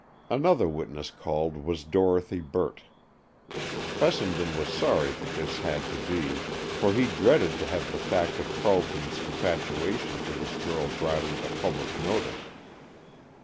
Another witness called was Dorothy Burt. Fessenden was sorry that this had to be, for he dreaded to have the fact of Carleton's infatuation for this girl brought into public notice.